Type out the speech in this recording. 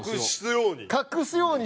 隠すように？